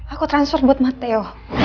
aku transfer buat matteo